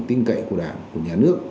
tin cậy của đảng của nhà nước